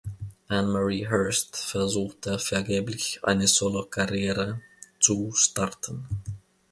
Anne-Marie Hurst versuchte vergeblich eine Solo-Karriere zu starten.